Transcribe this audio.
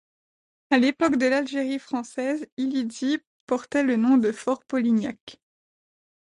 À l'époque de l'Algérie française, Illizi portait le nom de Fort-Polignac.